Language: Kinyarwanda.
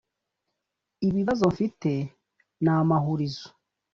Ibibazo mfite ni amahurizo